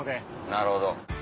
なるほど。